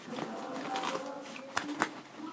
Era afiliado a la Unión Cívica Radical.